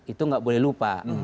itu nggak boleh lupa